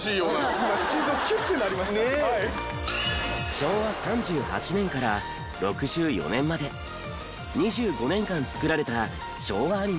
昭和３８年から６４年まで２５年間作られた昭和アニメ。